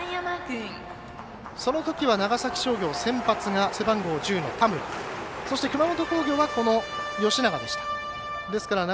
そのときは長崎商業先発が背番号１０の田村そして、熊本工業は吉永でした。